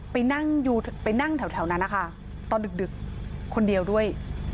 ไปนั่งที่แถวแล้วตอนดึกคนเดียวด้วย